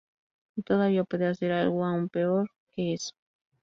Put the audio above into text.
Y todavía puede hacer algo aún peor que eso.